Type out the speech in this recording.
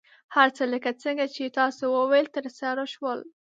هر څه لکه څنګه چې تاسو وویل، ترسره شول.